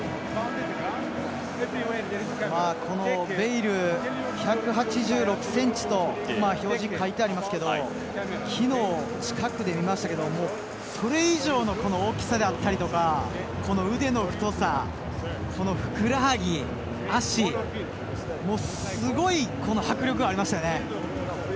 ベイル、１８６ｃｍと表示が書いてありますが昨日近くで見ましたけどそれ以上のこの大きさだったりとか腕の太さそのふくらはぎ、足すごい迫力ありましたね。